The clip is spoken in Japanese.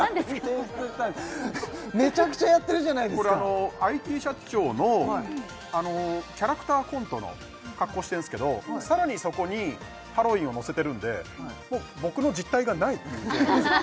めちゃくちゃやってるじゃないですかこれはＩＴ社長のキャラクターコントの格好してるんですけどさらにそこにハロウィンをのせてるんでもう僕の実体がないという状態ですね